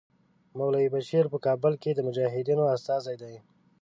مولوي بشیر په کابل کې د مجاهدینو استازی دی.